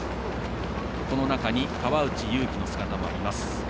この中に川内優輝の姿もあります。